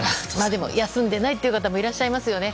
でも休んでない方もいらっしゃいますよね。